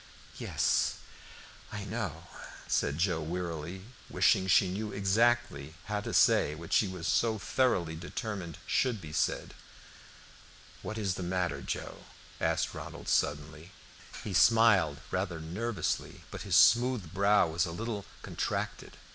"Yes, I know," said Joe wearily, wishing she knew exactly how to say what she was so thoroughly determined should be said. "What is the matter, Joe?" asked Ronald, suddenly. He smiled rather nervously, but his smooth brow was a little contracted.